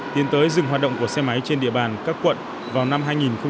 tiến tới dừng hoạt động của xe máy trên địa bàn các quận vào năm hai nghìn hai mươi